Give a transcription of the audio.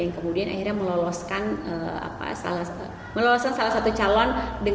yang kemudian akhirnya meloloskan salah satu calon